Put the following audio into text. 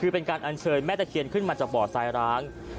เป็นการอัญเชิงแม่จักรเคียนขึ้นมาจากบ่อสายร้าง